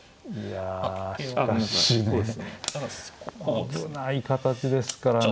いやしかし危ない形ですからね。